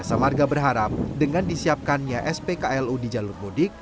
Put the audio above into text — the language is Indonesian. jasa marga berharap dengan disiapkannya spklu di jalur mudik